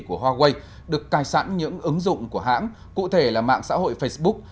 của huawei được cài sẵn những ứng dụng của hãng cụ thể là mạng xã hội facebook